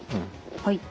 はい。